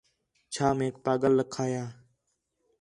چَھا میک پاڳل لَکھایا